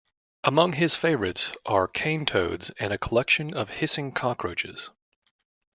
Among his favourites are cane toads and a collection of hissing cockroaches.